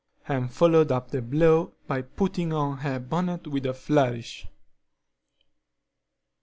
and followed up the blow by putting on her bonnet with a flourish.